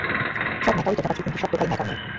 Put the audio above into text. সব ম্যাকাও-ই তোতাপাখি, কিন্তু সব তোতা-ই ম্যাকাও নয়।